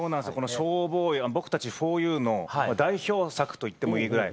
「ＳＨＯＷＢＯＹ」は僕たちふぉゆの代表作といってもいいぐらい